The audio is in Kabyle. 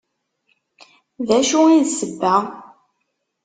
D acu i d sebba?